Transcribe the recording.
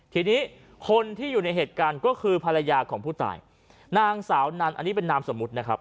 ทีนี้คนที่อยู่ในเหตุการณ์ก็คือภรรยาของผู้ตายนางสาวนันอันนี้เป็นนามสมมุตินะครับ